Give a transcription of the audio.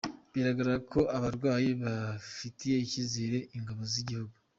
Biragaragara ko abarwayi bafitiye icyizere Ingabo z’igihugu.